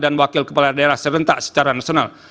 dan wakil kepala daerah serentak secara nasional